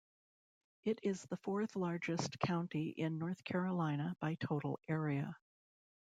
It is the fourth-largest county in North Carolina by total area.